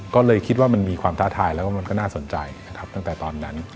ก็เลยคิดว่ามันมีความท้าทายแล้วก็มันก็น่าสนใจนะครับตั้งแต่ตอนนั้น